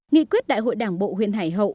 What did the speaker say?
nghị quyết đại hội đảng bộ huyện hải hậu